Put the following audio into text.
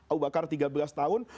abu bakar tiga belas tahun